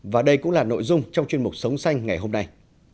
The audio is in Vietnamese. và đây cũng là nội dung trong chuyên mục sống xanh ngày hôm nay